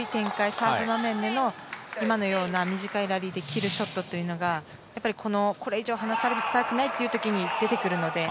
サーブ場面での今のような短いラリーで切るショットというのがこれ以上、離されたくない時に出てくるので。